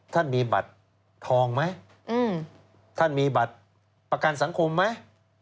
ท่านมีบัตรทองไหมท่านมีบัตรประกันสังคมไหม